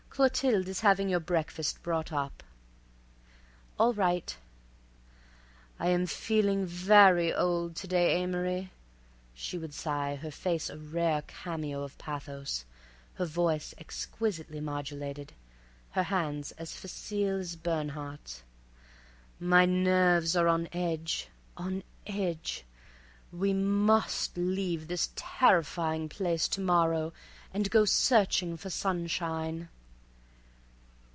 Clothilde is having your breakfast brought up." "All right." "I am feeling very old to day, Amory," she would sigh, her face a rare cameo of pathos, her voice exquisitely modulated, her hands as facile as Bernhardt's. "My nerves are on edge—on edge. We must leave this terrifying place to morrow and go searching for sunshine."